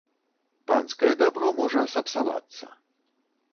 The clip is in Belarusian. Панскае дабро можа сапсавацца.